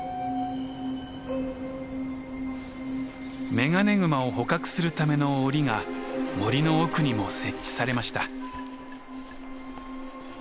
メガネグマを捕獲するための檻が森の奥にも設置されました。